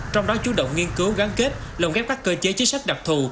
trong đó chú động nghiên cứu gắn kết lồng ghép các cơ chế chính sách đặc thù